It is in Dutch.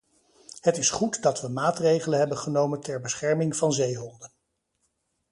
Het is goed dat we maatregelen hebben genomen ter bescherming van zeehonden.